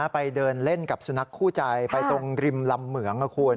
ไปเดินเล่นกับสุนัขคู่ใจไปตรงริมลำเหมืองนะคุณ